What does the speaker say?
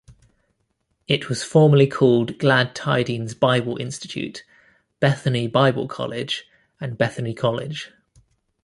It was formerly called Glad Tidings Bible Institute, Bethany Bible College and Bethany College.